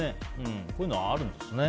こういうのはあるんですね。